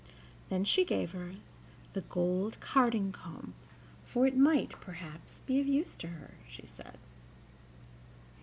Then she gave her the gold carding comb, for it might, perhaps, be of use to her, she said.